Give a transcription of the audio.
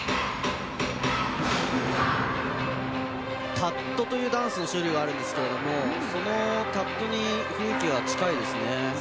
タットというダンスの種類があるんですがそのタットに雰囲気は近いですね。